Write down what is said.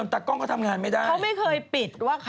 วันนี้